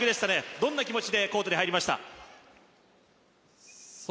どんな気持ちでコートに入りました？